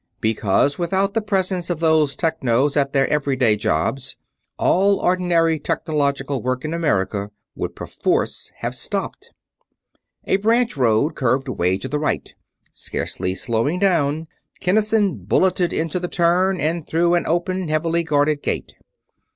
Because, without the presence of those Technos at their every day jobs, all ordinary technological work in America would perforce have stopped. A branch road curved away to the right. Scarcely slowing down, Kinnison bulleted into the turn and through an open, heavily guarded gate.